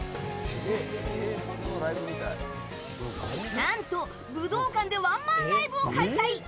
何と武道館でワンマンライブを開催！